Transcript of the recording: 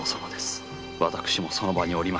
私もその場におりました